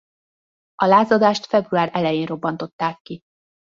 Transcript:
A lázadást február elején robbantották ki.